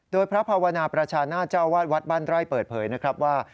โดยพระภาวนาประชานาศเจ้าวาดวัดบ้านไร่เปิดเผยนะครับว่า